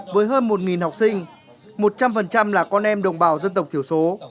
với hơn một học sinh một trăm linh là con em đồng bào dân tộc thiểu số